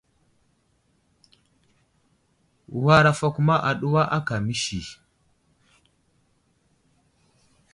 War afakuma aɗuwa aka məsi.